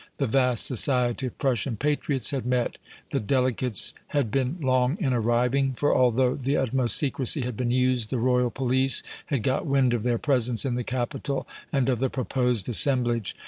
The vast society of Prussian patriots had met. The delegates had been long in arriving, for, although the utmost secrecy had been used, the royal police had got wind of their presence in the capital and of the proposed assemblage.